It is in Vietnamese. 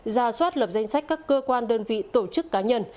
ra soát lập danh sách các cơ quan đơn vị tổ chức cá nhân